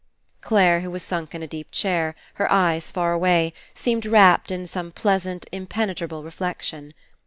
Clare, who was sunk in a deep chair, her eyes far away, seemed wrapped in some pleas ant impenetrable reflection.